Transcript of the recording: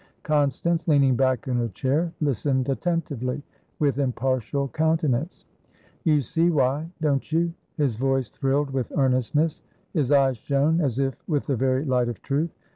Constance, leaning back in her chair, listened attentively, with impartial countenance. "You see why, don't you?" His voice thrilled with earnestness; his eyes shone as if with the very light of truth.